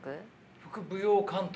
副舞踊監督。